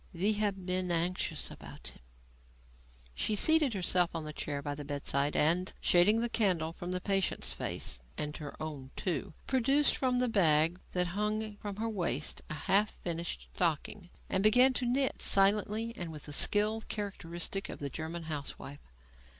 We have been anxious about him." She seated herself on the chair by the bedside, and, shading the candle from the patient's face and her own, too produced from a bag that hung from her waist a half finished stocking and began to knit silently and with the skill characteristic of the German housewife.